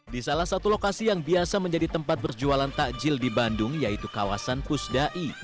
di salah satu lokasi yang biasa menjadi tempat berjualan takjil di bandung yaitu kawasan pusdai